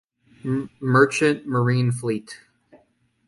Merchant Marine fleet.